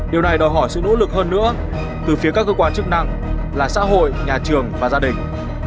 điều này đòi hỏi sự nỗ lực hơn nữa từ phía các cơ quan chức năng là xã hội nhà trường và gia đình